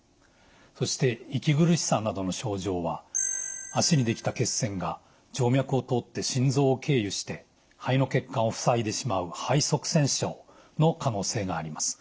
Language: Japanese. そして息苦しさなどの症状は脚にできた血栓が静脈を通って心臓を経由して肺の血管をふさいでしまう肺塞栓症の可能性があります。